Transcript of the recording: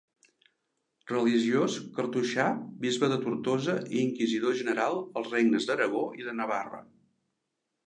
Religiós cartoixà, bisbe de Tortosa i inquisidor general als regnes d'Aragó i de Navarra.